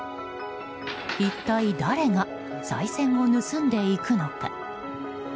一体誰がさい銭を盗んでいくのか。